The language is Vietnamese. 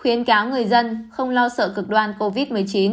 khuyến cáo người dân không lo sợ cực đoan covid một mươi chín